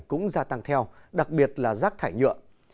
cũng gia tăng theo đặc biệt là rác thải nhựa